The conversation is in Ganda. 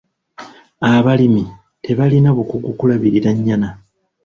Abalimi tebalina bukugu kulabirira nnyana.